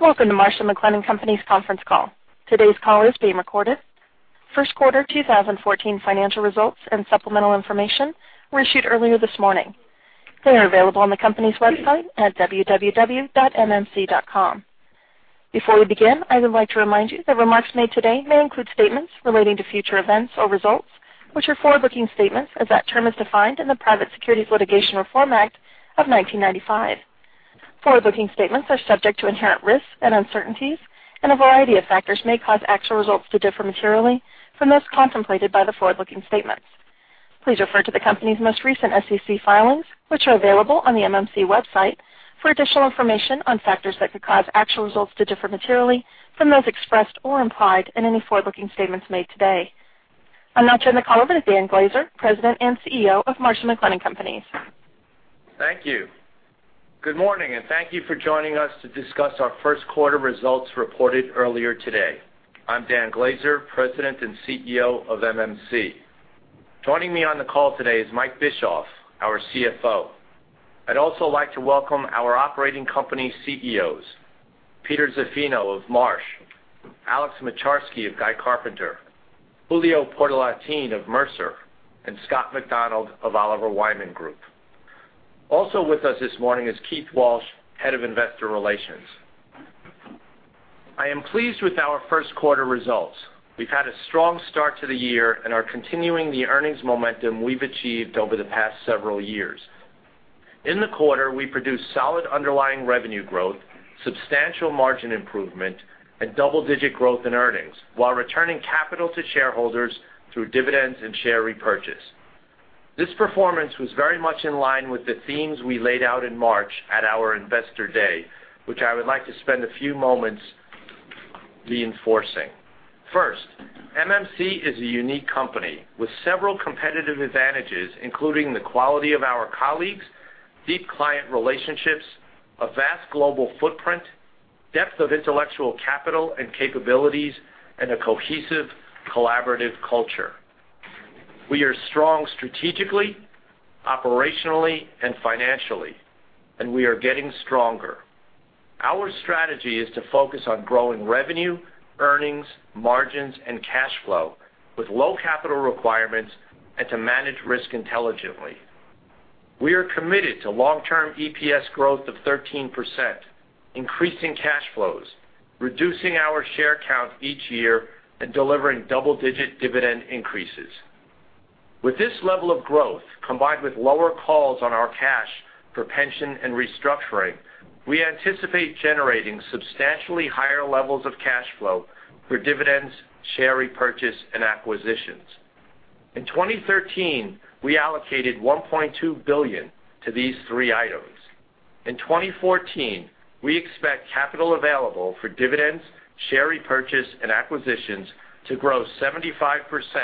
Welcome to Marsh & McLennan Companies conference call. Today's call is being recorded. First quarter 2014 financial results and supplemental information were issued earlier this morning. They are available on the company's website at www.mmc.com. Before we begin, I would like to remind you that remarks made today may include statements relating to future events or results, which are forward-looking statements as that term is defined in the Private Securities Litigation Reform Act of 1995. Forward-looking statements are subject to inherent risks and uncertainties, and a variety of factors may cause actual results to differ materially from those contemplated by the forward-looking statements. Please refer to the company's most recent SEC filings, which are available on the MMC website, for additional information on factors that could cause actual results to differ materially from those expressed or implied in any forward-looking statements made today. I'll now turn the call over to Dan Glaser, President and CEO of Marsh & McLennan Companies. Thank you. Good morning, and thank you for joining us to discuss our first quarter results reported earlier today. I'm Dan Glaser, President and CEO of MMC. Joining me on the call today is Mike Bischoff, our CFO. I'd also like to welcome our operating company CEOs, Peter Zaffino of Marsh, Alex Moczarski of Guy Carpenter, Julio Portalatin of Mercer, and Scott McDonald of Oliver Wyman Group. Also with us this morning is Keith Walsh, Head of Investor Relations. I am pleased with our first quarter results. We've had a strong start to the year and are continuing the earnings momentum we've achieved over the past several years. In the quarter, we produced solid underlying revenue growth, substantial margin improvement, and double-digit growth in earnings while returning capital to shareholders through dividends and share repurchase. This performance was very much in line with the themes we laid out in March at our Investor Day, which I would like to spend a few moments reinforcing. First, MMC is a unique company with several competitive advantages, including the quality of our colleagues, deep client relationships, a vast global footprint, depth of intellectual capital and capabilities, and a cohesive, collaborative culture. We are strong strategically, operationally, and financially, and we are getting stronger. Our strategy is to focus on growing revenue, earnings, margins, and cash flow with low capital requirements and to manage risk intelligently. We are committed to long-term EPS growth of 13%, increasing cash flows, reducing our share count each year, and delivering double-digit dividend increases. With this level of growth, combined with lower calls on our cash for pension and restructuring, we anticipate generating substantially higher levels of cash flow for dividends, share repurchase, and acquisitions. In 2013, we allocated $1.2 billion to these three items. In 2014, we expect capital available for dividends, share repurchase, and acquisitions to grow 75% to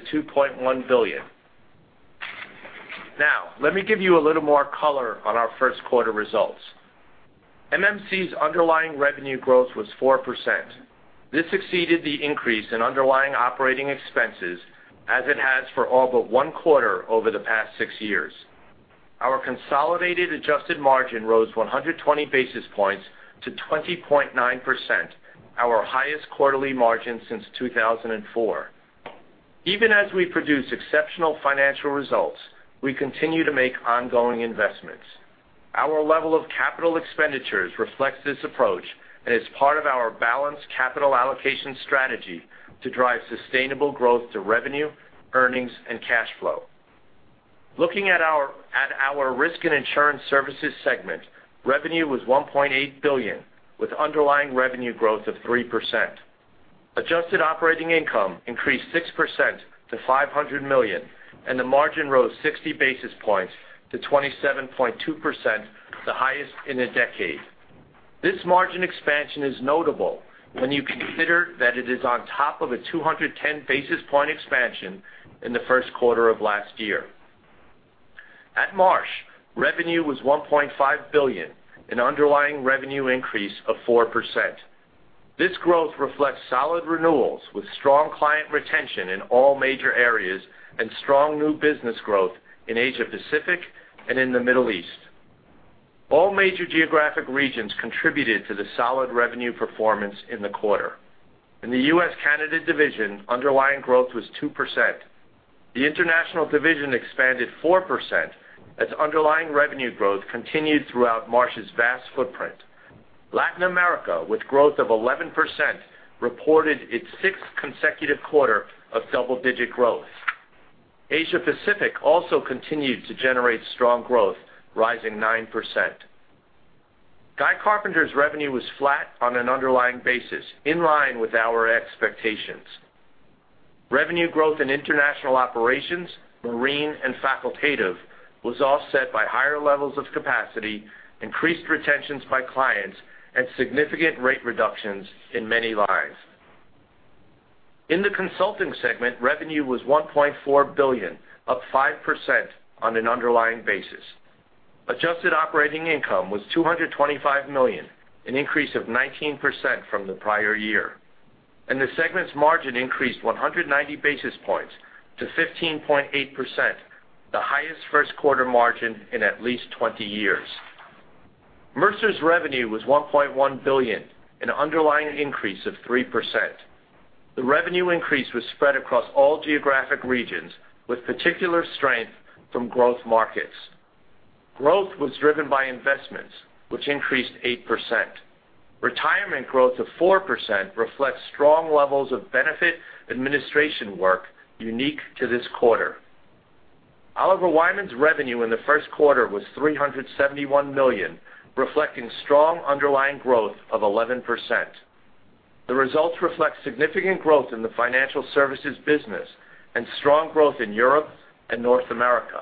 $2.1 billion. Let me give you a little more color on our first quarter results. MMC's underlying revenue growth was 4%. This exceeded the increase in underlying operating expenses as it has for all but one quarter over the past six years. Our consolidated adjusted margin rose 120 basis points to 20.9%, our highest quarterly margin since 2004. Even as we produce exceptional financial results, we continue to make ongoing investments. Our level of capital expenditures reflects this approach and is part of our balanced capital allocation strategy to drive sustainable growth to revenue, earnings, and cash flow. Looking at our Risk and Insurance Services segment, revenue was $1.8 billion, with underlying revenue growth of 3%. Adjusted operating income increased 6% to $500 million, and the margin rose 60 basis points to 27.2%, the highest in a decade. This margin expansion is notable when you consider that it is on top of a 210 basis point expansion in the first quarter of last year. At Marsh, revenue was $1.5 billion, an underlying revenue increase of 4%. This growth reflects solid renewals with strong client retention in all major areas and strong new business growth in Asia Pacific and in the Middle East. All major geographic regions contributed to the solid revenue performance in the quarter. In the U.S. Canada division, underlying growth was 2%. The international division expanded 4% as underlying revenue growth continued throughout Marsh's vast footprint. Latin America, with growth of 11%, reported its sixth consecutive quarter of double-digit growth. Asia Pacific also continued to generate strong growth, rising 9%. Guy Carpenter's revenue was flat on an underlying basis, in line with our expectations. Revenue growth in international operations, marine, and facultative was offset by higher levels of capacity, increased retentions by clients, and significant rate reductions in many lines. In the consulting segment, revenue was $1.4 billion, up 5% on an underlying basis. Adjusted operating income was $225 million, an increase of 19% from the prior year. The segment's margin increased 190 basis points to 15.8%, the highest first quarter margin in at least 20 years. Mercer's revenue was $1.1 billion, an underlying increase of 3%. The revenue increase was spread across all geographic regions, with particular strength from growth markets. Growth was driven by investments, which increased 8%. Retirement growth of 4% reflects strong levels of benefit administration work unique to this quarter. Oliver Wyman's revenue in the first quarter was $371 million, reflecting strong underlying growth of 11%. The results reflect significant growth in the financial services business and strong growth in Europe and North America.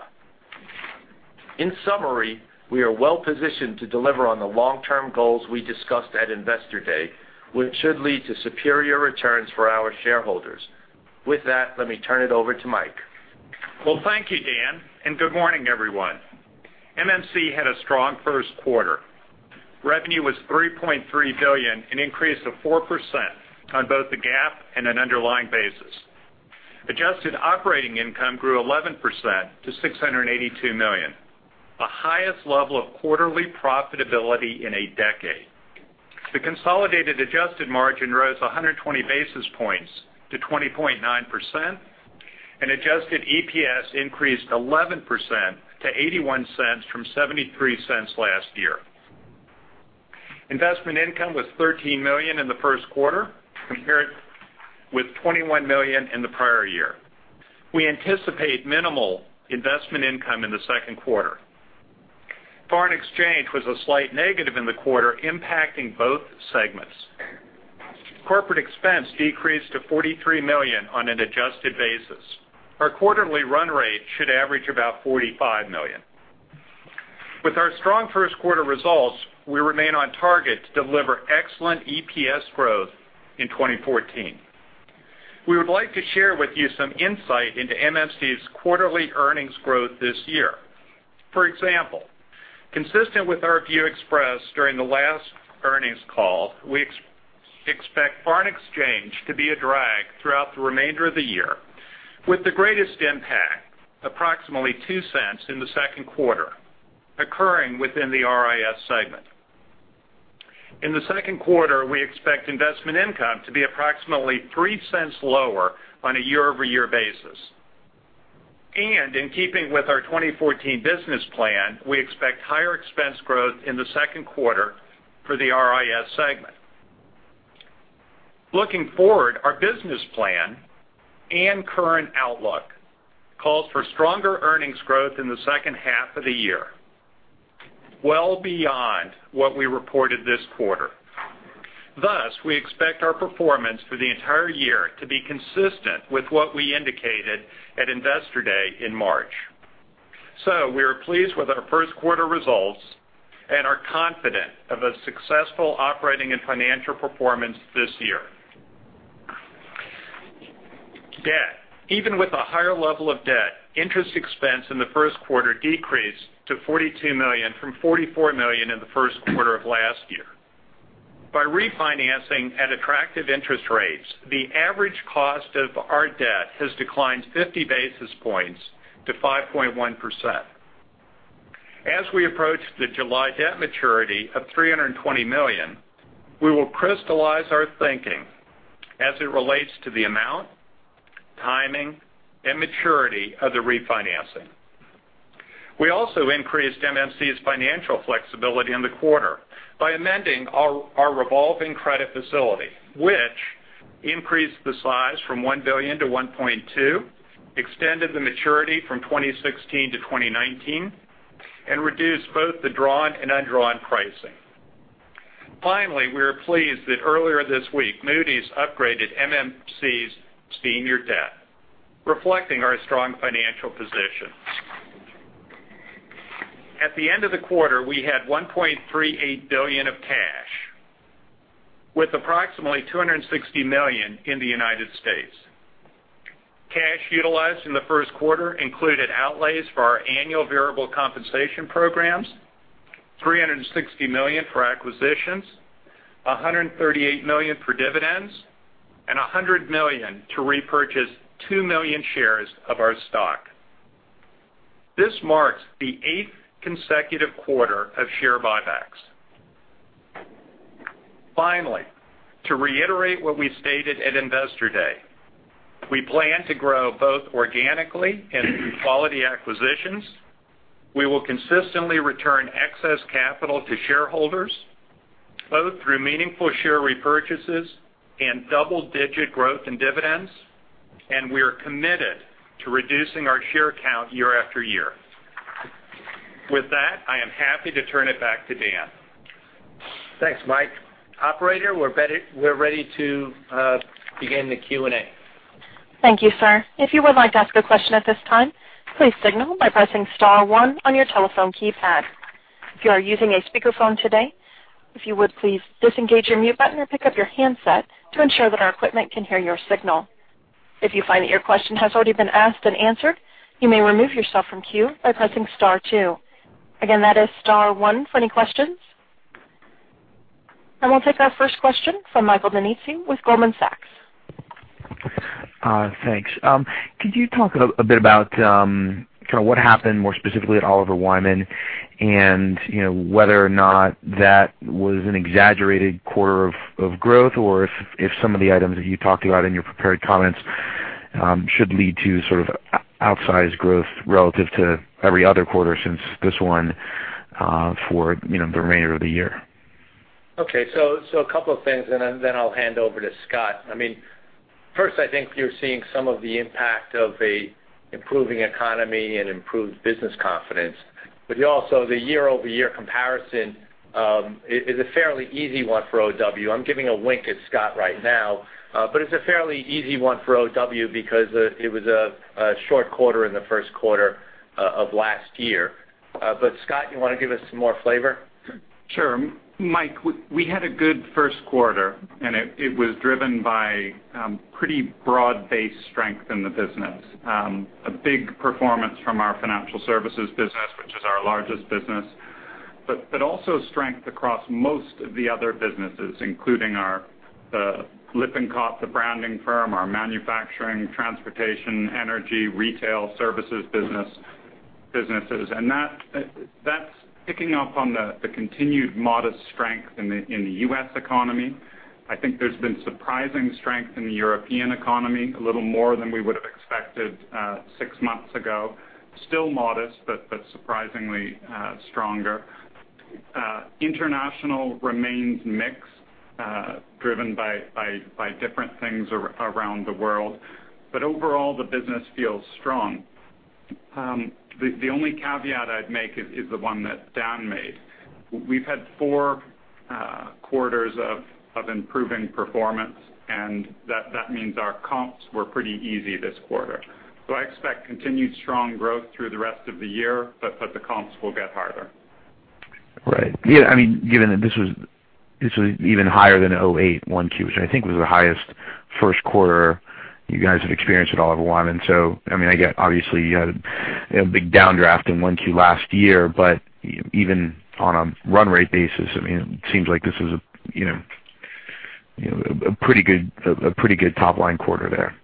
In summary, we are well-positioned to deliver on the long-term goals we discussed at Investor Day, which should lead to superior returns for our shareholders. With that, let me turn it over to Mike. Thank you, Dan, and good morning, everyone. MMC had a strong first quarter. Revenue was $3.3 billion, an increase of 4% on both the GAAP and an underlying basis. Adjusted operating income grew 11% to $682 million, the highest level of quarterly profitability in a decade. The consolidated adjusted margin rose 120 basis points to 20.9%, and adjusted EPS increased 11% to $0.81 from $0.73 last year. Investment income was $13 million in the first quarter, compared with $21 million in the prior year. We anticipate minimal investment income in the second quarter. Foreign exchange was a slight negative in the quarter, impacting both segments. Corporate expense decreased to $43 million on an adjusted basis. Our quarterly run rate should average about $45 million. With our strong first quarter results, we remain on target to deliver excellent EPS growth in 2014. We would like to share with you some insight into MMC's quarterly earnings growth this year. For example, consistent with our view expressed during the last earnings call, we expect foreign exchange to be a drag throughout the remainder of the year, with the greatest impact, approximately $0.02 in the second quarter, occurring within the RIS segment. In the second quarter, we expect investment income to be approximately $0.03 lower on a year-over-year basis. In keeping with our 2014 business plan, we expect higher expense growth in the second quarter for the RIS segment. Looking forward, our business plan and current outlook calls for stronger earnings growth in the second half of the year, well beyond what we reported this quarter. We expect our performance for the entire year to be consistent with what we indicated at Investor Day in March. We are pleased with our first quarter results and are confident of a successful operating and financial performance this year. Debt. Even with a higher level of debt, interest expense in the first quarter decreased to $42 million from $44 million in the first quarter of last year. By refinancing at attractive interest rates, the average cost of our debt has declined 50 basis points to 5.1%. As we approach the July debt maturity of $320 million, we will crystallize our thinking as it relates to the amount, timing, and maturity of the refinancing. We also increased MMC's financial flexibility in the quarter by amending our revolving credit facility, which increased the size from $1 billion to $1.2, extended the maturity from 2016 to 2019, and reduced both the drawn and undrawn pricing. We are pleased that earlier this week, Moody's upgraded MMC's senior debt, reflecting our strong financial position. At the end of the quarter, we had $1.38 billion of cash, with approximately $260 million in the U.S. Cash utilized in the first quarter included outlays for our annual variable compensation programs, $360 million for acquisitions, $138 million for dividends, and $100 million to repurchase 2 million shares of our stock. This marks the eighth consecutive quarter of share buybacks. To reiterate what we stated at Investor Day, we plan to grow both organically and through quality acquisitions. We will consistently return excess capital to shareholders, both through meaningful share repurchases and double-digit growth in dividends, and we are committed to reducing our share count year after year. With that, I am happy to turn it back to Dan. Thanks, Mike. Operator, we're ready to begin the Q&A. Thank you, sir. If you would like to ask a question at this time, please signal by pressing *1 on your telephone keypad. If you are using a speakerphone today, if you would please disengage your mute button or pick up your handset to ensure that our equipment can hear your signal. If you find that your question has already been asked and answered, you may remove yourself from queue by pressing star two. Again, that is star one for any questions. We'll take our first question from Michael Nannizzi with Goldman Sachs. Thanks. Could you talk a bit about what happened more specifically at Oliver Wyman and whether or not that was an exaggerated quarter of growth or if some of the items that you talked about in your prepared comments should lead to sort of outsized growth relative to every other quarter since this one for the remainder of the year? Okay. A couple of things and then I'll hand over to Scott. First, I think you're seeing some of the impact of an improving economy and improved business confidence. Also the year-over-year comparison is a fairly easy one for OW. I'm giving a wink at Scott right now, but it's a fairly easy one for OW because it was a short quarter in the first quarter of last year. Scott, you want to give us some more flavor? Sure. Mike, we had a good first quarter. It was driven by pretty broad-based strength in the business. A big performance from our financial services business, which is our largest business. Also strength across most of the other businesses, including our Lippincott, the branding firm, our manufacturing, transportation, energy, retail services businesses. That's picking up on the continued modest strength in the U.S. economy. I think there's been surprising strength in the European economy, a little more than we would have expected six months ago. Still modest, but surprisingly stronger. International remains mixed, driven by different things around the world. Overall, the business feels strong. The only caveat I'd make is the one that Dan made. We've had four quarters of improving performance, that means our comps were pretty easy this quarter. I expect continued strong growth through the rest of the year, the comps will get harder. Right. Given that this was even higher than 2008, Q1, which I think was the highest first quarter you guys have experienced at Oliver Wyman. Obviously you had a big downdraft in Q1 last year, even on a run rate basis, it seems like this was a pretty good top-line quarter there.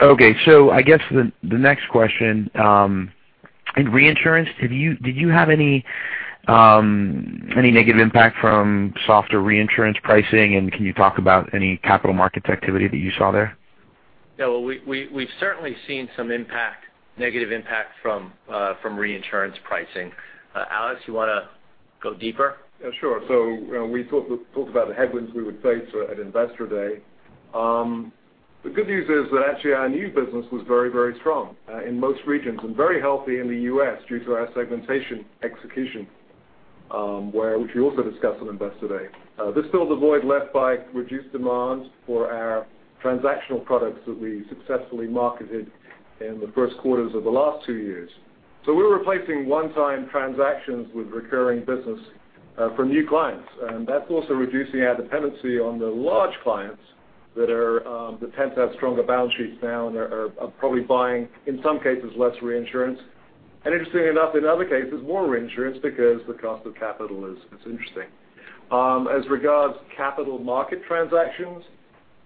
Okay. I guess the next question. In reinsurance, did you have any negative impact from softer reinsurance pricing? Can you talk about any capital markets activity that you saw there? Yeah. Well, we've certainly seen some negative impact from reinsurance pricing. Alex, you want to go deeper? Yeah, sure. We talked about the headwinds we would face at Investor Day. The good news is that actually our new business was very, very strong in most regions and very healthy in the U.S. due to our segmentation execution which we also discussed on Investor Day. This filled the void left by reduced demand for our transactional products that we successfully marketed in the first quarters of the last two years. We're replacing one-time transactions with recurring business for new clients. That's also reducing our dependency on the large clients that tend to have stronger balance sheets now and are probably buying, in some cases, less reinsurance. Interestingly enough, in other cases, more reinsurance because the cost of capital is interesting. As regards to capital market transactions,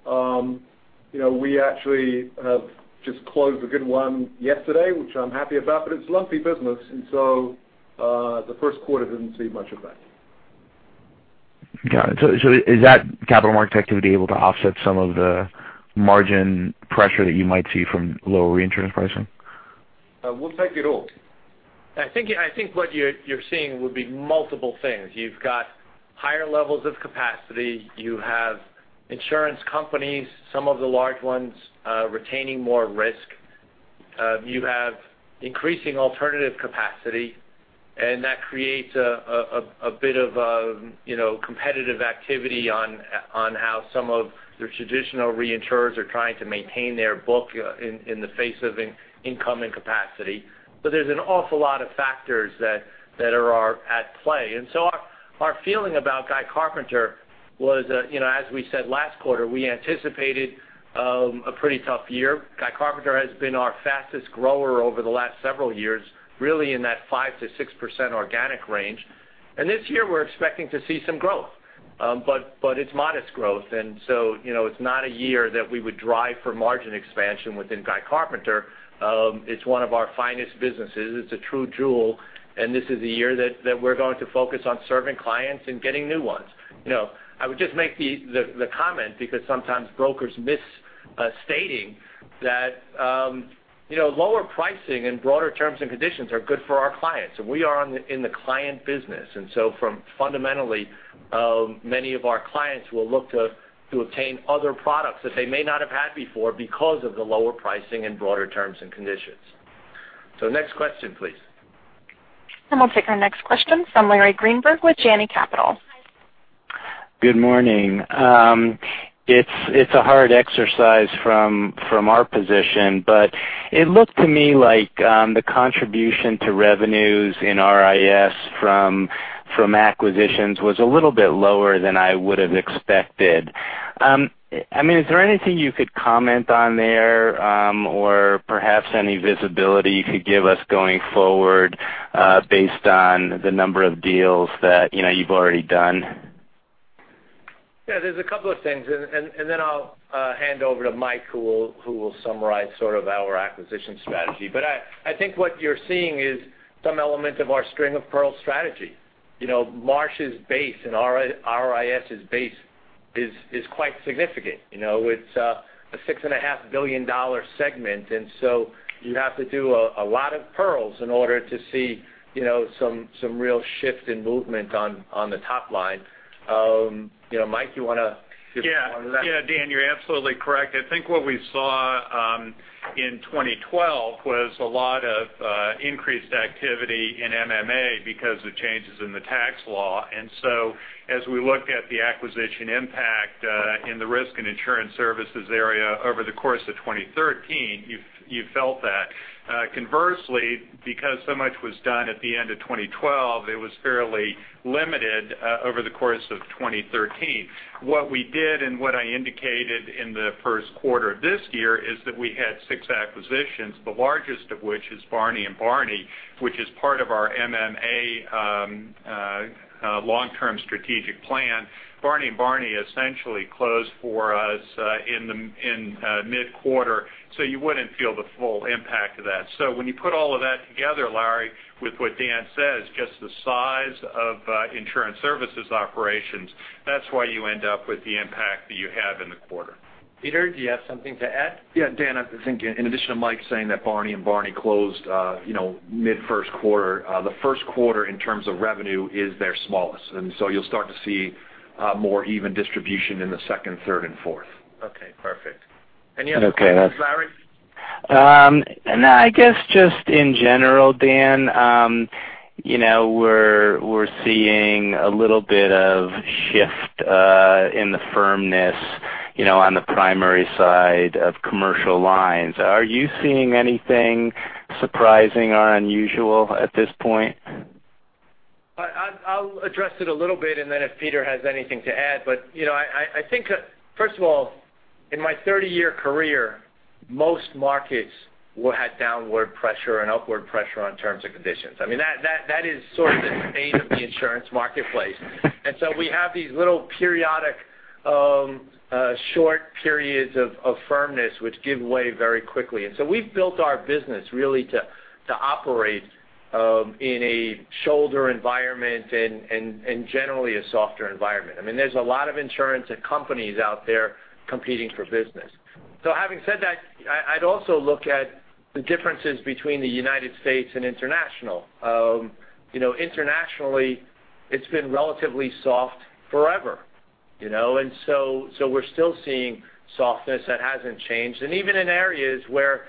we actually have just closed a good one yesterday, which I'm happy about, but it's lumpy business and so the first quarter didn't see much of that. Got it. Is that capital market activity able to offset some of the margin pressure that you might see from lower reinsurance pricing? We'll take it all. I think what you're seeing would be multiple things. You've got higher levels of capacity. You have insurance companies, some of the large ones retaining more risk. You have increasing alternative capacity and that creates a bit of competitive activity on how some of the traditional reinsurers are trying to maintain their book in the face of incoming capacity. There's an awful lot of factors that are at play. Our feeling about Guy Carpenter was, as we said last quarter, we anticipated a pretty tough year. Guy Carpenter has been our fastest grower over the last several years, really in that 5%-6% organic range. This year we're expecting to see some growth. It's modest growth, it's not a year that we would drive for margin expansion within Guy Carpenter. It's one of our finest businesses. It's a true jewel, this is a year that we're going to focus on serving clients and getting new ones. I would just make the comment because sometimes brokers miss stating that lower pricing and broader terms and conditions are good for our clients, we are in the client business. Fundamentally, many of our clients will look to obtain other products that they may not have had before because of the lower pricing and broader terms and conditions. Next question, please. We'll take our next question from Larry Greenberg with Janney Capital. Good morning. It's a hard exercise from our position, it looked to me like the contribution to revenues in RIS from acquisitions was a little bit lower than I would have expected. Is there anything you could comment on there, or perhaps any visibility you could give us going forward based on the number of deals that you've already done? I'll hand over to Mike, who will summarize our acquisition strategy. I think what you're seeing is some element of our string-of-pearls strategy. Marsh's base and RIS's base is quite significant. It's a $6.5 billion segment, you have to do a lot of pearls in order to see some real shift in movement on the top line. Mike, you want to just elaborate? Yeah. Dan, you're absolutely correct. I think what we saw in 2012 was a lot of increased activity in MMA because of changes in the tax law. As we look at the acquisition impact in the Risk and Insurance Services area over the course of 2013, you felt that. Conversely, because so much was done at the end of 2012, it was fairly limited over the course of 2013. What we did and what I indicated in the first quarter of this year is that we had six acquisitions, the largest of which is Barney & Barney, which is part of our MMA long-term strategic plan. Barney & Barney essentially closed for us in mid-quarter, so you wouldn't feel the full impact of that. When you put all of that together, Larry, with what Dan says, just the size of insurance services operations, that's why you end up with the impact that you have in the quarter. Peter, do you have something to add? Yeah, Dan Glaser, I think in addition to Mike Bischoff saying that Barney & Barney closed mid-first quarter, the first quarter in terms of revenue is their smallest. You'll start to see more even distribution in the second, third and fourth. Okay, perfect. Any other comments, Larry Greenberg? Okay. No, I guess just in general, Dan Glaser, we're seeing a little bit of shift in the firmness on the primary side of commercial lines. Are you seeing anything surprising or unusual at this point? I'll address it a little bit, then if Peter Zaffino has anything to add. I think, first of all, in my 30-year career, most markets will have downward pressure and upward pressure on terms and conditions. That is sort of the state of the insurance marketplace. We have these little periodic short periods of firmness which give way very quickly. We've built our business really to operate in a shoulder environment and generally a softer environment. There's a lot of insurance and companies out there competing for business. Having said that, I'd also look at the differences between the United States and international. Internationally, it's been relatively soft forever. We're still seeing softness. That hasn't changed. Even in areas where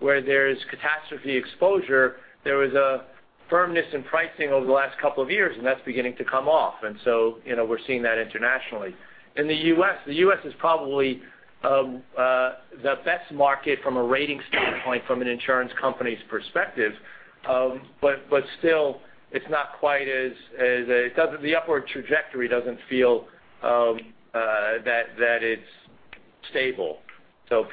there's catastrophe exposure, there was a firmness in pricing over the last couple of years, and that's beginning to come off. We're seeing that internationally. In the U.S., the U.S. is probably the best market from a rating standpoint from an insurance company's perspective. Still, the upward trajectory doesn't feel that it's stable.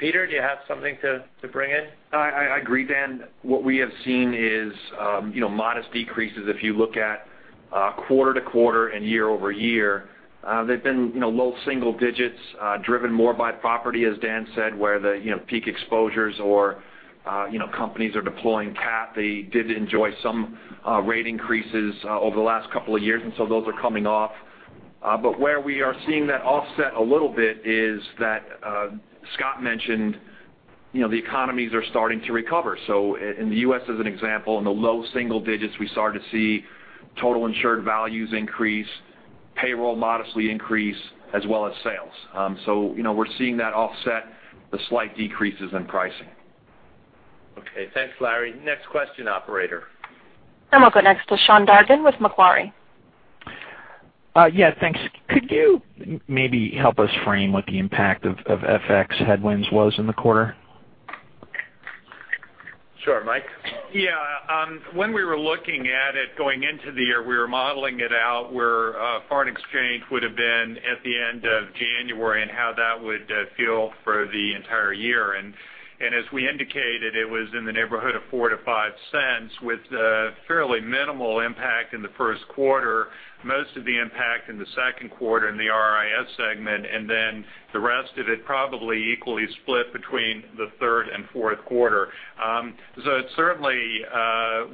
Peter, do you have something to bring in? I agree, Dan. What we have seen is modest decreases. If you look at quarter-to-quarter and year-over-year, they've been low single-digits, driven more by property, as Dan said, where the peak exposures or companies are deploying cat. They did enjoy some rate increases over the last 2 years, those are coming off. Where we are seeing that offset a little bit is that Scott mentioned the economies are starting to recover. In the U.S., as an example, in the low single-digits, we started to see total insured values increase, payroll modestly increase, as well as sales. We're seeing that offset the slight decreases in pricing. Thanks, Larry. Next question, operator. We'll go next to Sean Dargan with Macquarie. Yeah, thanks. Could you maybe help us frame what the impact of FX headwinds was in the quarter? Sure, Mike? Yeah. When we were looking at it going into the year, we were modeling it out where foreign exchange would have been at the end of January and how that would feel for the entire year. As we indicated, it was in the neighborhood of $0.04-$0.05 with a fairly minimal impact in the first quarter, most of the impact in the second quarter in the RIS segment, the rest of it probably equally split between the third and fourth quarter. It certainly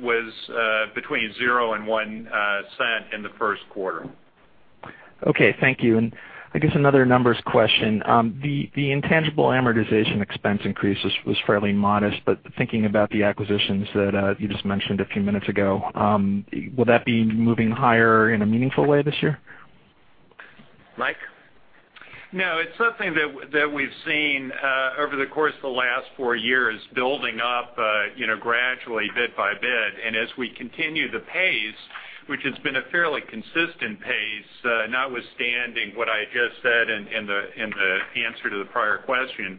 was between $0.00-$0.01 in the first quarter. Okay, thank you. I guess another numbers question. The intangible amortization expense increase was fairly modest, thinking about the acquisitions that you just mentioned a few minutes ago, will that be moving higher in a meaningful way this year? Mike? No, it's something that we've seen over the course of the last four years building up gradually bit by bit. As we continue the pace, which has been a fairly consistent pace, notwithstanding what I just said in the answer to the prior question.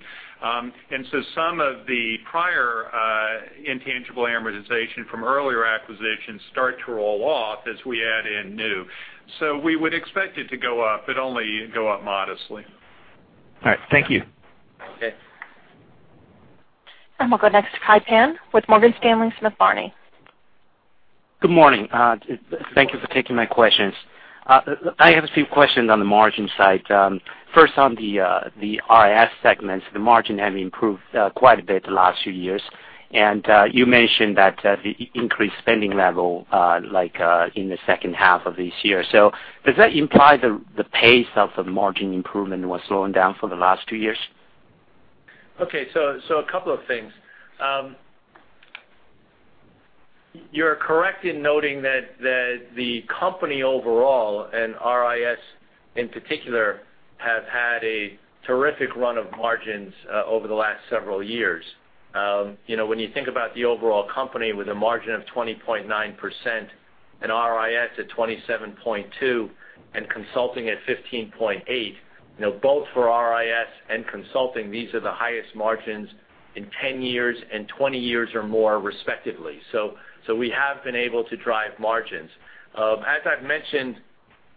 Some of the prior intangible amortization from earlier acquisitions start to roll off as we add in new. We would expect it to go up, but only go up modestly. All right. Thank you. Okay. We'll go next to Kai Pan with Morgan Stanley Smith Barney. Good morning. Thank you for taking my questions. I have a few questions on the margin side. First, on the RIS segments, the margin have improved quite a bit the last few years. You mentioned that the increased spending level, like in the second half of this year. Does that imply the pace of the margin improvement was slowing down for the last two years? A couple of things. You're correct in noting that the company overall, and RIS in particular, have had a terrific run of margins over the last several years. When you think about the overall company with a margin of 20.9%, and RIS at 27.2%, and consulting at 15.8%, both for RIS and consulting, these are the highest margins in 10 years and 20 years or more respectively. We have been able to drive margins. As I've mentioned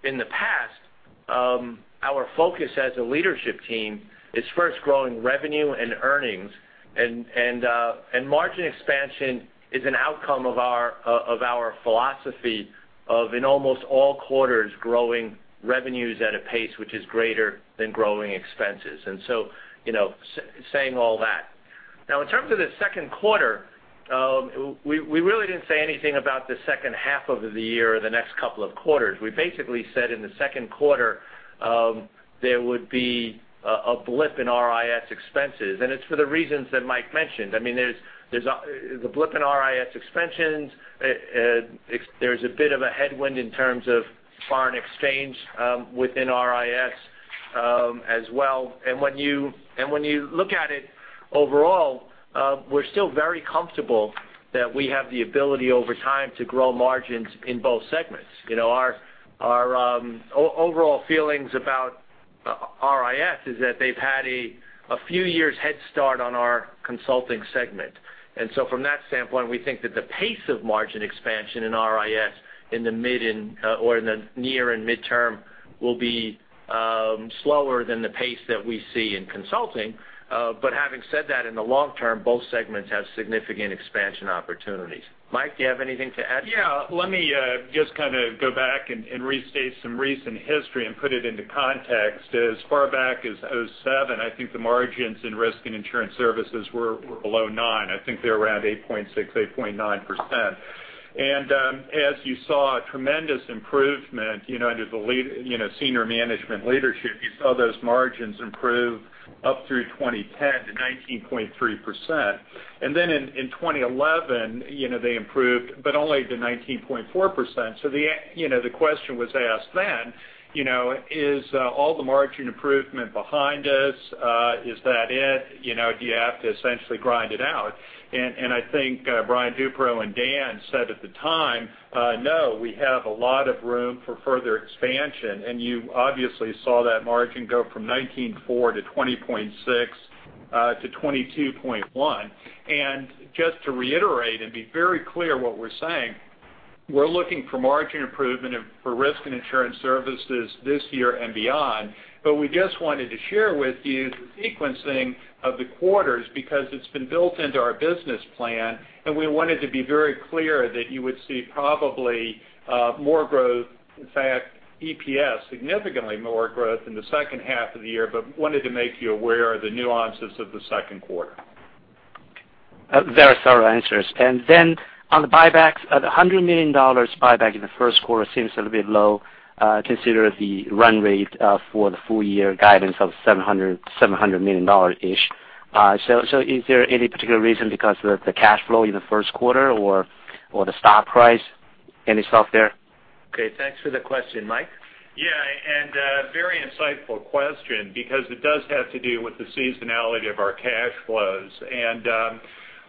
in the past, our focus as a leadership team is first growing revenue and earnings, and margin expansion is an outcome of our philosophy of, in almost all quarters, growing revenues at a pace which is greater than growing expenses. Saying all that. In terms of the second quarter, we really didn't say anything about the second half of the year or the next couple of quarters. We basically said in the second quarter, there would be a blip in RIS expenses, and it's for the reasons that Mike mentioned. There's a blip in RIS expenses. There's a bit of a headwind in terms of foreign exchange within RIS as well. When you look at it overall, we're still very comfortable that we have the ability, over time, to grow margins in both segments. Our overall feelings about RIS is that they've had a few years' head start on our consulting segment. From that standpoint, we think that the pace of margin expansion in RIS in the near and midterm will be slower than the pace that we see in consulting. Having said that, in the long term, both segments have significant expansion opportunities. Mike, do you have anything to add? Yeah. Let me just go back and restate some recent history and put it into context. As far back as 2007, I think the margins in Risk and Insurance Services were below 9%. I think they were around 8.6%, 8.9%. As you saw a tremendous improvement under the senior management leadership, you saw those margins improve up through 2010 to 19.3%. In 2011, they improved, but only to 19.4%. The question was asked then, is all the margin improvement behind us? Is that it? Do you have to essentially grind it out? Brian Duperreault and Dan said at the time, "No, we have a lot of room for further expansion." You obviously saw that margin go from 19.4% to 20.6% to 22.1%. Just to reiterate and be very clear what we're saying, we're looking for margin improvement for Risk and Insurance Services this year and beyond. We just wanted to share with you the sequencing of the quarters because it's been built into our business plan, and we wanted to be very clear that you would see probably more growth, in fact, EPS, significantly more growth in the second half of the year, but wanted to make you aware of the nuances of the second quarter. Very thorough answers. On the buybacks, the $100 million buyback in the first quarter seems a little bit low, considering the run rate for the full-year guidance of $700 million-ish. Is there any particular reason? Because the cash flow in the first quarter or the stock price, any thought there? Okay. Thanks for the question. Mike? Yeah, very insightful question because it does have to do with the seasonality of our cash flows.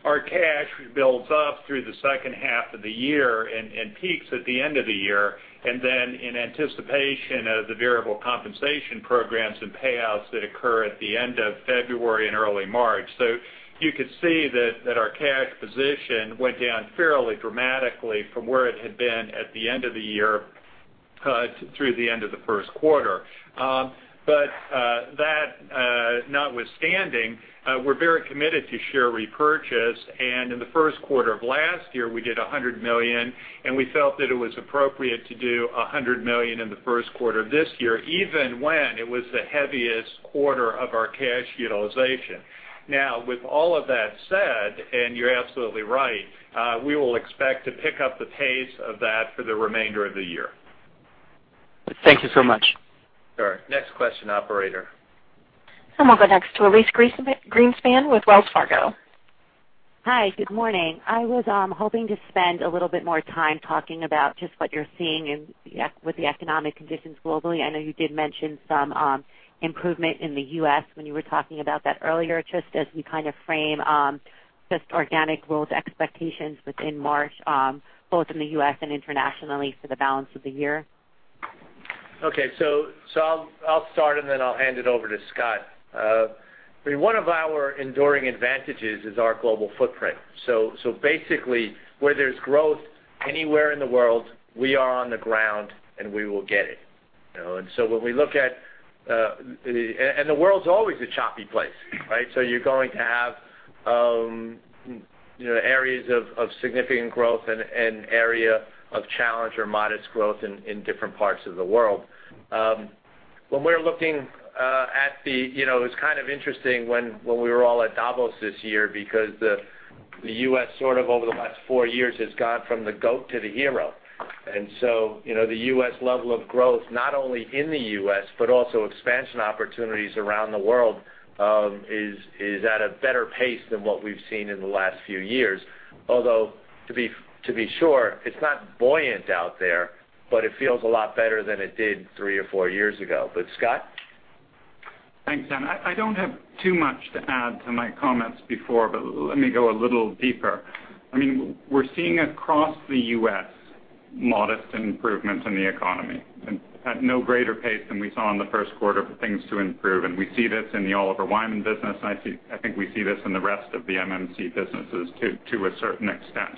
Our cash builds up through the second half of the year and peaks at the end of the year, then in anticipation of the variable compensation programs and payouts that occur at the end of February and early March. You could see that our cash position went down fairly dramatically from where it had been at the end of the year through the end of the first quarter. That notwithstanding, we're very committed to share repurchase, and in the first quarter of last year, we did $100 million, and we felt that it was appropriate to do $100 million in the first quarter this year, even when it was the heaviest quarter of our cash utilization. Now, with all of that said, and you're absolutely right, we will expect to pick up the pace of that for the remainder of the year. Thank you so much. Sure. Next question, operator. We'll go next to Elyse Greenspan with Wells Fargo. Hi, good morning. I was hoping to spend a little bit more time talking about just what you're seeing with the economic conditions globally. I know you did mention some improvement in the U.S. when you were talking about that earlier, just as we frame just organic growth expectations within Marsh both in the U.S. and internationally for the balance of the year. Okay. I'll start, and then I'll hand it over to Scott. One of our enduring advantages is our global footprint. Basically, where there's growth anywhere in the world, we are on the ground, and we will get it. When we look at the world's always a choppy place, right? You're going to have areas of significant growth and area of challenge or modest growth in different parts of the world. When we're looking at the it was kind of interesting when we were all at Davos this year because the U.S. sort of over the last four years has gone from the goat to the hero. The U.S. level of growth, not only in the U.S. but also expansion opportunities around the world, is at a better pace than what we've seen in the last few years. Although, to be sure, it's not buoyant out there, it feels a lot better than it did three or four years ago. Scott? Thanks, Dan. I don't have too much to add to my comments before, but let me go a little deeper. We're seeing across the U.S. modest improvements in the economy and at no greater pace than we saw in the first quarter for things to improve. We see this in the Oliver Wyman business, and I think we see this in the rest of the MMC businesses, too, to a certain extent.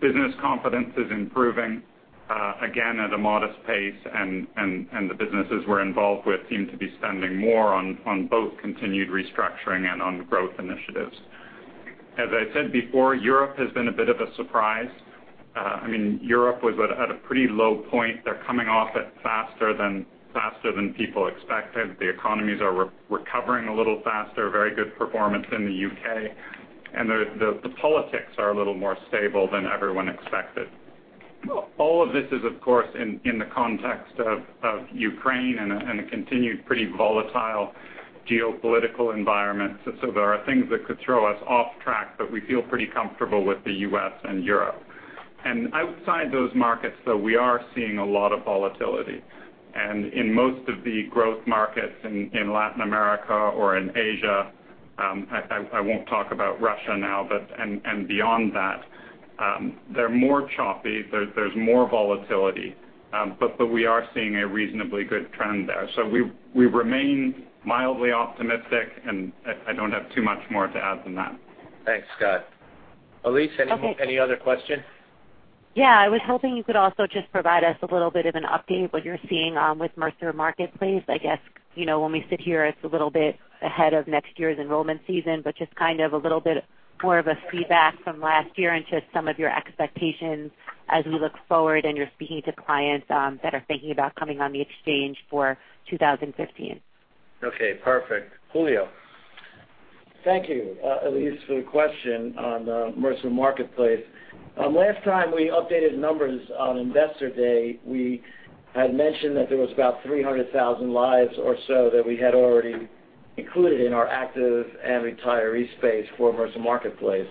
Business confidence is improving, again, at a modest pace, and the businesses we're involved with seem to be spending more on both continued restructuring and on growth initiatives. As I said before, Europe has been a bit of a surprise. Europe was at a pretty low point. They're coming off it faster than people expected. The economies are recovering a little faster, very good performance in the U.K., and the politics are a little more stable than everyone expected. All of this is, of course, in the context of Ukraine and a continued, pretty volatile geopolitical environment. There are things that could throw us off track, but we feel pretty comfortable with the U.S. and Europe. Outside those markets, though, we are seeing a lot of volatility. In most of the growth markets in Latin America or in Asia, I won't talk about Russia now, and beyond that, they're more choppy. There's more volatility. We are seeing a reasonably good trend there. We remain mildly optimistic, and I don't have too much more to add than that. Thanks, Scott. Elyse, any other question? Yeah. I was hoping you could also just provide us a little bit of an update, what you're seeing with Mercer Marketplace. I guess, when we sit here, it's a little bit ahead of next year's enrollment season, but just kind of a little bit more of a feedback from last year and just some of your expectations as we look forward and you're speaking to clients that are thinking about coming on the exchange for 2015. Okay, perfect. Julio. Thank you, Elyse, for the question on Mercer Marketplace. Last time we updated numbers on Investor Day, we had mentioned that there was about 300,000 lives or so that we had already included in our active and retiree space for Mercer Marketplace.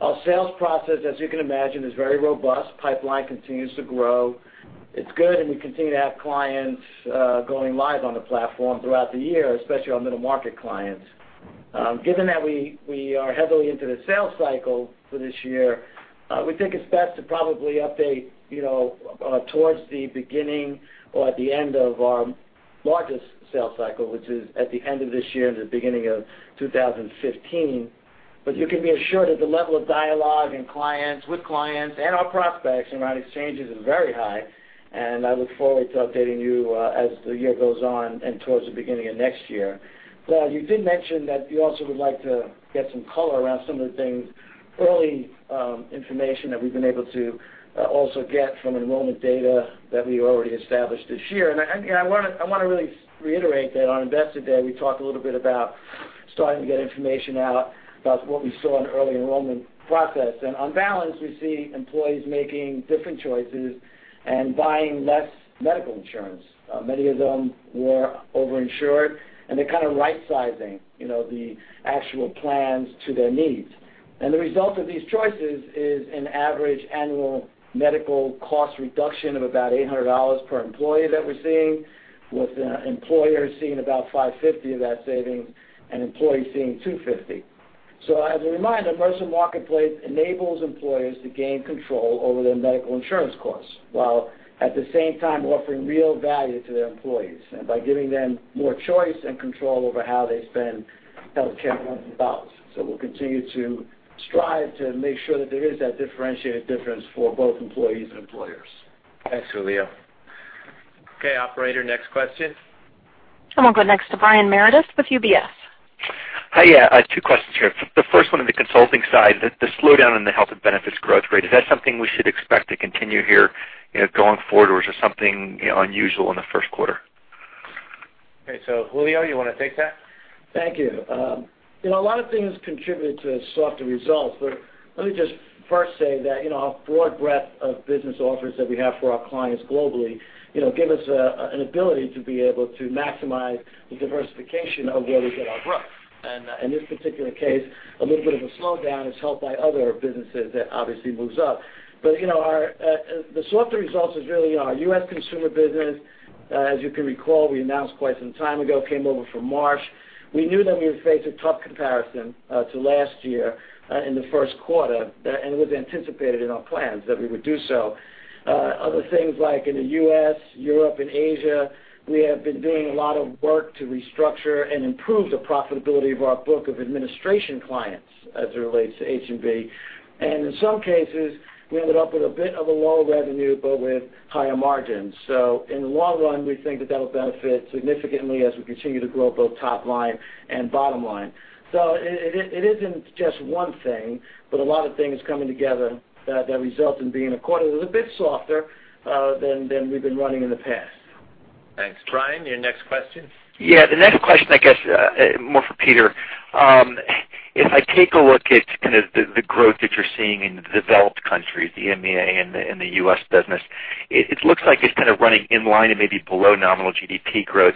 Our sales process, as you can imagine, is very robust. Pipeline continues to grow. It's good. We continue to have clients going live on the platform throughout the year, especially our middle-market clients. Given that we are heavily into the sales cycle for this year, we think it's best to probably update towards the beginning or at the end of our largest sales cycle, which is at the end of this year and the beginning of 2015. You can be assured that the level of dialogue with clients and our prospects around exchanges is very high, I look forward to updating you as the year goes on and towards the beginning of next year. You did mention that you also would like to get some color around some of the things, early information that we've been able to also get from enrollment data that we already established this year. I want to really reiterate that on Investor Day, we talked a little bit about starting to get information out about what we saw in early enrollment process. On balance, we see employees making different choices and buying less medical insurance. Many of them were over-insured, and they're kind of right-sizing the actual plans to their needs. The result of these choices is an average annual medical cost reduction of about $800 per employee that we're seeing, with employers seeing about $550 of that savings and employees seeing $250. As a reminder, Mercer Marketplace enables employers to gain control over their medical insurance costs, while at the same time offering real value to their employees, and by giving them more choice and control over how they spend healthcare dollars. We'll continue to strive to make sure that there is that differentiated difference for both employees and employers. Thanks, Julio. Okay, operator, next question. We'll go next to Brian Meredith with UBS. Hi. Two questions here. The first one on the consulting side, the slowdown in the health and benefits growth rate, is that something we should expect to continue here going forward, or is this something unusual in the first quarter? Okay, Julio, you want to take that? Thank you. A lot of things contributed to softer results. Let me just first say that our broad breadth of business offerings that we have for our clients globally give us an ability to be able to maximize the diversification of where we get our growth. In this particular case, a little bit of a slowdown is helped by other businesses that obviously moves up. The softer results is really our U.S. consumer business. As you can recall, we announced quite some time ago, came over from Marsh. We knew that we would face a tough comparison to last year in the first quarter, and it was anticipated in our plans that we would do so. Other things like in the U.S., Europe, and Asia, we have been doing a lot of work to restructure and improve the profitability of our book of administration clients as it relates to H&B. In some cases, we ended up with a bit of a lower revenue, with higher margins. In the long run, we think that that'll benefit significantly as we continue to grow both top line and bottom line. It isn't just one thing, a lot of things coming together that result in being a quarter that was a bit softer than we've been running in the past. Thanks. Brian, your next question? Yeah. The next question, I guess, more for Peter. If I take a look at the growth that you're seeing in the developed countries, the EMEA and the U.S. business, it looks like it's kind of running in line and maybe below nominal GDP growth.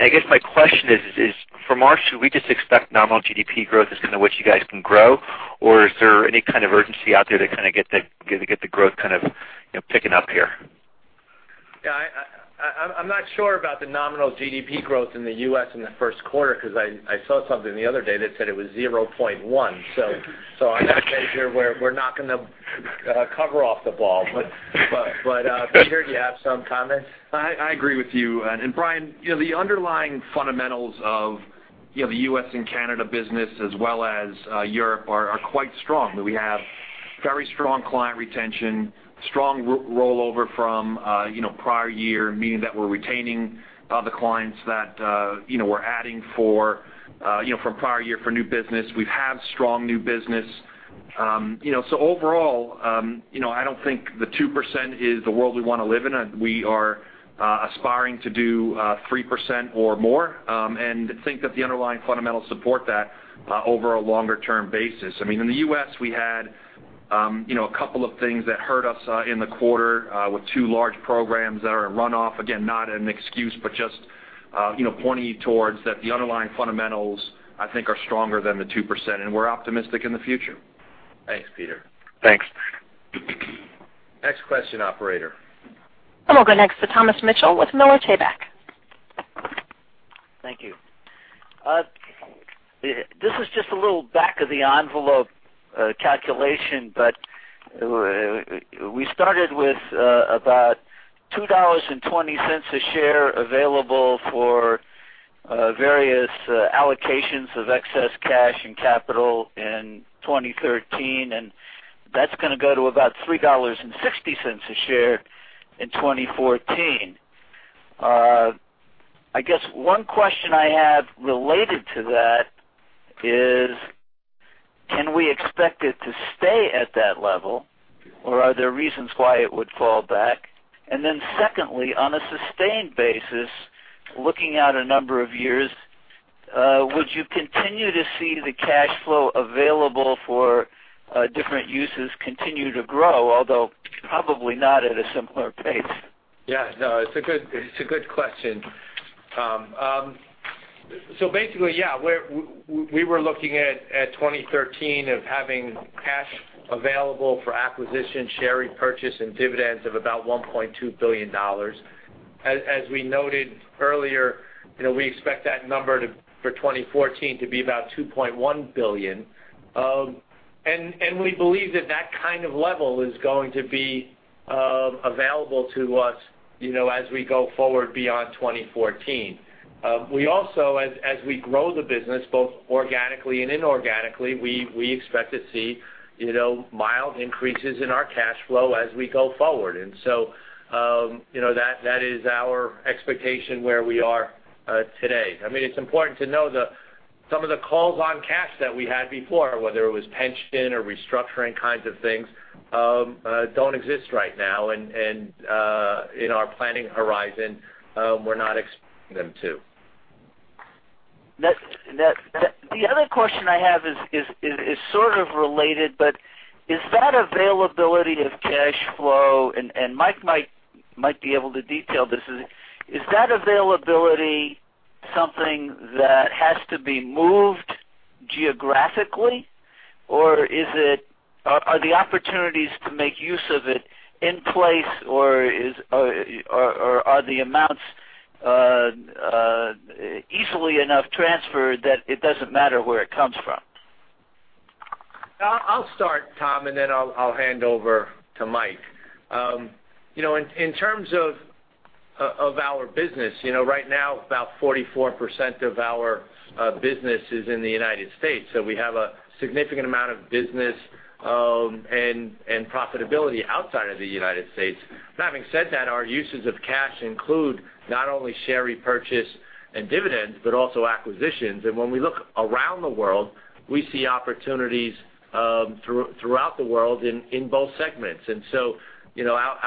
I guess my question is, from Marsh, should we just expect nominal GDP growth as kind of what you guys can grow? Or is there any kind of urgency out there to get the growth picking up here? Yeah. I'm not sure about the nominal GDP growth in the U.S. in the first quarter, because I saw something the other day that said it was 0.1. On that measure, we're not going to cover off the ball. Peter, do you have some comments? I agree with you. Brian, the underlying fundamentals of the U.S. and Canada business as well as Europe are quite strong. We have very strong client retention, strong rollover from prior year, meaning that we're retaining the clients that we're adding from prior year for new business. We've had strong new business. Overall, I don't think the 2% is the world we want to live in. We are aspiring to do 3% or more, and think that the underlying fundamentals support that over a longer-term basis. In the U.S., we had a couple of things that hurt us in the quarter with two large programs that are in runoff. Again, not an excuse, but just pointing you towards that the underlying fundamentals, I think, are stronger than the 2%, and we're optimistic in the future. Thanks, Peter. Thanks. Next question, operator. We'll go next to Thomas Mitchell with Miller Tabak. Thank you. This is just a little back-of-the-envelope calculation, we started with about $2.20 a share available for various allocations of excess cash and capital in 2013, that's going to go to about $3.60 a share in 2014. I guess one question I have related to that is, can we expect it to stay at that level, are there reasons why it would fall back? Secondly, on a sustained basis, looking out a number of years, would you continue to see the cash flow available for different uses continue to grow, although probably not at a similar pace? No, it's a good question. Basically, we were looking at 2013 of having cash available for acquisition, share repurchase, and dividends of about $1.2 billion. As we noted earlier, we expect that number for 2014 to be about $2.1 billion. We believe that that kind of level is going to be available to us as we go forward beyond 2014. We also, as we grow the business, both organically and inorganically, we expect to see mild increases in our cash flow as we go forward. That is our expectation where we are today. It's important to know that some of the calls on cash that we had before, whether it was pension or restructuring kinds of things, don't exist right now. In our planning horizon, we're not expecting them to. The other question I have is sort of related, is that availability of cash flow, and Mike might be able to detail this, is that availability something that has to be moved geographically, or are the opportunities to make use of it in place or are the amounts easily enough transferred that it doesn't matter where it comes from? I'll start, Tom, then I'll hand over to Mike. In terms of our business, right now about 44% of our business is in the U.S. We have a significant amount of business and profitability outside of the U.S. That being said, that our uses of cash include not only share repurchase and dividends, but also acquisitions. When we look around the world, we see opportunities throughout the world in both segments. I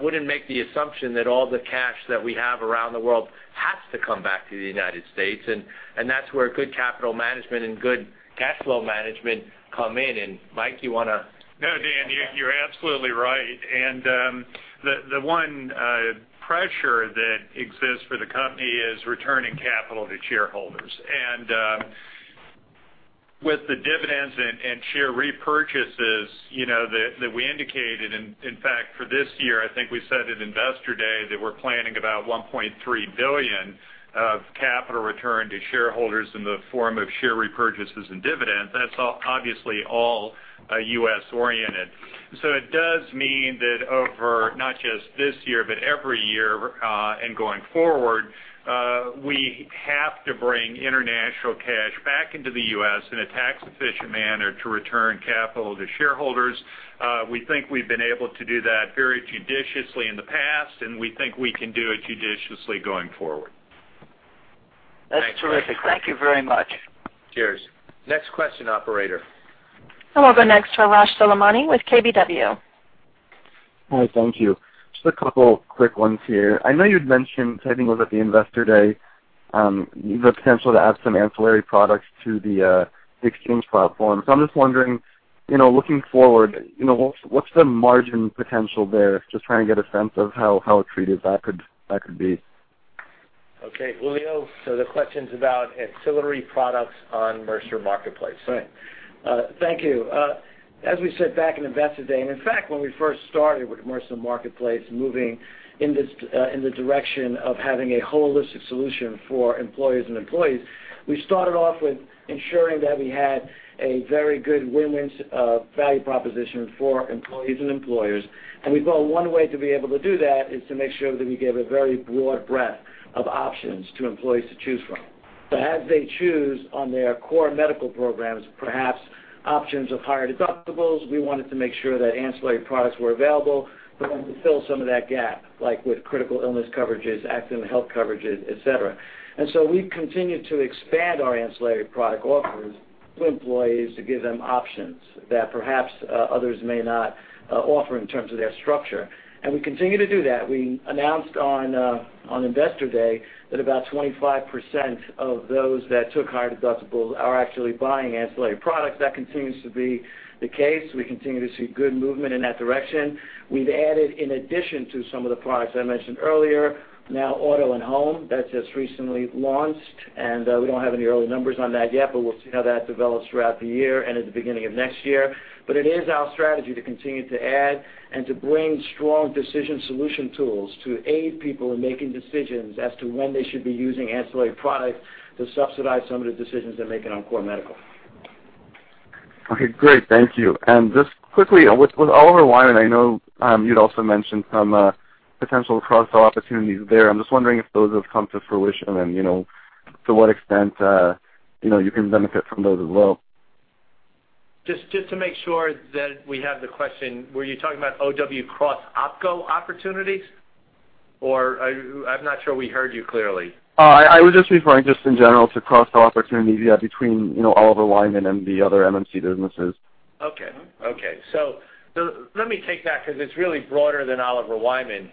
wouldn't make the assumption that all the cash that we have around the world has to come back to the U.S., and that's where good capital management and good cash flow management come in. Mike, you want to- No, Dan, you're absolutely right. The one pressure that exists for the company is returning capital to shareholders. With the dividends and share repurchases that we indicated, in fact, for this year, I think we said at Investor Day that we're planning about $1.3 billion of capital return to shareholders in the form of share repurchases and dividends. That's obviously all U.S.-oriented. It does mean that over not just this year, but every year and going forward, we have to bring international cash back into the U.S. in a tax-efficient manner to return capital to shareholders. We think we've been able to do that very judiciously in the past, and we think we can do it judiciously going forward. That's terrific. Thank you very much. Cheers. Next question, operator. We'll go next to Meyer Shields with KBW. Hi, thank you. Just a couple quick ones here. I know you'd mentioned, I think it was at the Investor Day, the potential to add some ancillary products to the exchange platform. I'm just wondering, looking forward, what's the margin potential there? Just trying to get a sense of how accretive that could be. Okay, Julio, the question's about ancillary products on Mercer Marketplace. Right. Thank you. As we said back in Investor Day, when we first started with Mercer Marketplace, moving in the direction of having a holistic solution for employers and employees, we started off with ensuring that we had a very good win-win value proposition for employees and employers. We felt one way to be able to do that is to make sure that we gave a very broad breadth of options to employees to choose from. As they choose on their core medical programs, perhaps options of higher deductibles, we wanted to make sure that ancillary products were available for them to fill some of that gap, like with critical illness coverages, accident health coverages, et cetera. We've continued to expand our ancillary product offerings to employees to give them options that perhaps others may not offer in terms of their structure. We continue to do that. We announced on Investor Day that about 25% of those that took higher deductibles are actually buying ancillary products. That continues to be the case. We continue to see good movement in that direction. We've added, in addition to some of the products I mentioned earlier, now auto and home. That just recently launched, and we don't have any early numbers on that yet, but we'll see how that develops throughout the year and at the beginning of next year. It is our strategy to continue to add and to bring strong decision solution tools to aid people in making decisions as to when they should be using ancillary products to subsidize some of the decisions they're making on core medical. Okay, great. Thank you. Just quickly, with Oliver Wyman, I know you'd also mentioned some potential cross-sell opportunities there. I'm just wondering if those have come to fruition and to what extent you can benefit from those as well. Just to make sure that we have the question, were you talking about OW cross OpCo opportunities? Or I'm not sure we heard you clearly. I was just referring, just in general, to cross-sell opportunities you have between Oliver Wyman and the other MMC businesses. Let me take that because it's really broader than Oliver Wyman.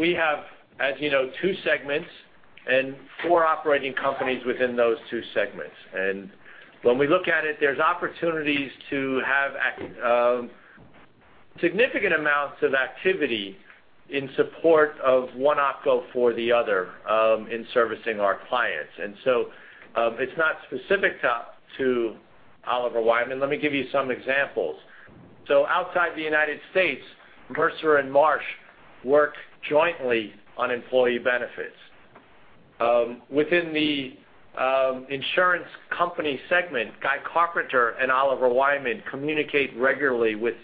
We have, as you know, two segments and four operating companies within those two segments. When we look at it, there's opportunities to have significant amounts of activity in support of one OpCo for the other, in servicing our clients. It's not specific to Oliver Wyman. Let me give you some examples. Outside the U.S., Mercer and Marsh work jointly on employee benefits. Within the insurance company segment, Guy Carpenter and Oliver Wyman communicate regularly with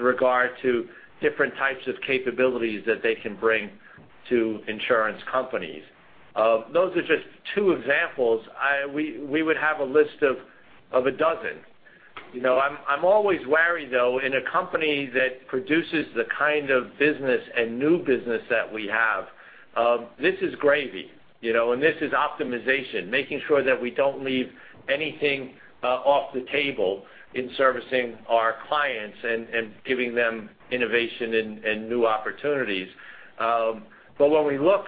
regard to different types of capabilities that they can bring to insurance companies. Those are just two examples. We would have a list of a dozen. I'm always wary, though, in a company that produces the kind of business and new business that we have, this is gravy, and this is optimization, making sure that we don't leave anything off the table in servicing our clients and giving them innovation and new opportunities. When we look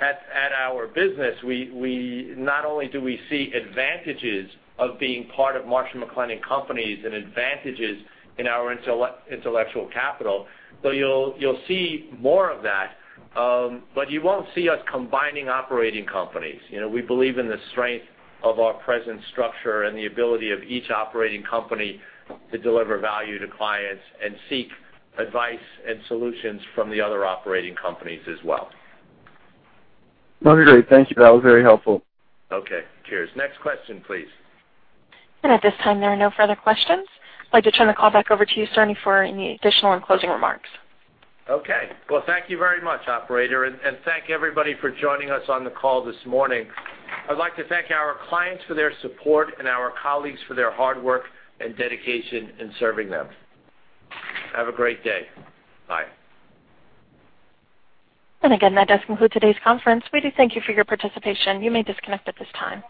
at our business, not only do we see advantages of being part of Marsh & McLennan Companies and advantages in our intellectual capital, you'll see more of that, you won't see us combining operating companies. We believe in the strength of our present structure and the ability of each operating company to deliver value to clients and seek advice and solutions from the other operating companies as well. Okay, great. Thank you. That was very helpful. Okay, cheers. Next question, please. At this time, there are no further questions. I'd like to turn the call back over to you, sir, for any additional and closing remarks. Okay. Well, thank you very much, operator, and thank you everybody for joining us on the call this morning. I'd like to thank our clients for their support and our colleagues for their hard work and dedication in serving them. Have a great day. Bye. Again, that does conclude today's conference. We do thank you for your participation. You may disconnect at this time.